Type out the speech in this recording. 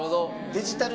デジタル。